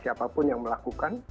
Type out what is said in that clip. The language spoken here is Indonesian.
siapapun yang melakukan